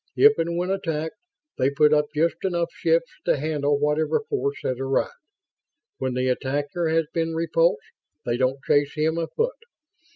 If and when attacked, they put up just enough ships to handle whatever force has arrived. When the attacker has been repulsed, they don't chase him a foot.